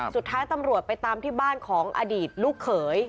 สุดท้ายตำรวจไปตามที่บ้านของอดีตลูกเขย